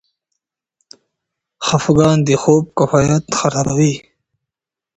خفګان د خوب کیفیت خرابوي.